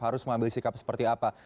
harus mengambil sikap seperti apa